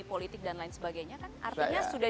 politik dan lain sebagainya kan artinya sudah